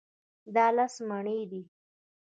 دا لس مڼې دي.